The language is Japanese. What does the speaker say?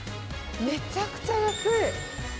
めちゃくちゃ安い。